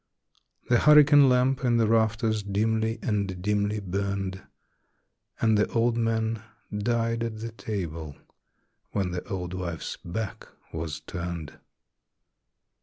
The hurricane lamp in the rafters dimly and dimly burned; And the old man died at the table when the old wife's back was turned.